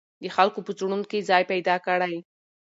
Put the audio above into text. د خلکو په زړونو کې ځای پیدا کړئ.